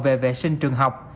về vệ sinh trường học